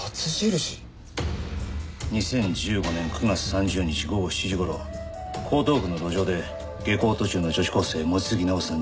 ２０１５年９月３０日午後７時頃江東区の路上で下校途中の女子高生望月奈緒さん